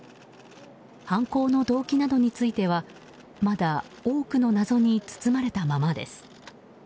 犯行の動機などについてはまだ多くの謎に包まれたままです。